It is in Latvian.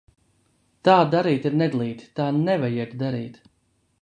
Tā darīt ir neglīti, tā nevajag darīt!